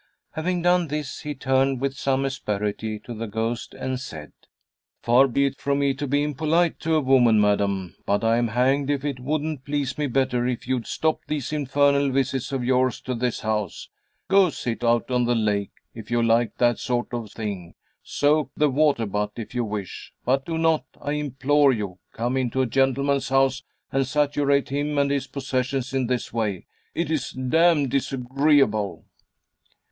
Having done this, he turned with some asperity to the ghost, and said: "Far be it from me to be impolite to a woman, madam, but I'm hanged if it wouldn't please me better if you'd stop these infernal visits of yours to this house. Go sit out on the lake, if you like that sort of thing; soak the water butt, if you wish; but do not, I implore you, come into a gentleman's house and saturate him and his possessions in this way. It is damned disagreeable."